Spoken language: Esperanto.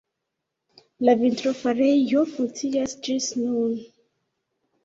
La vitrofarejo funkcias ĝis nun.